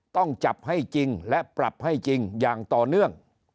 ต้องจับให้จริงและปรับให้จริงอย่างต่อเนื่อง